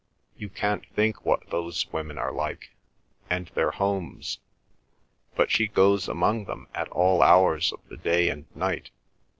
You can't think what those women are like—and their homes. But she goes among them at all hours of the day and night.